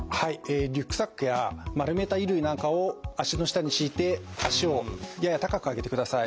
リュックサックや丸めた衣類なんかを脚の下に敷いて脚をやや高く上げてください。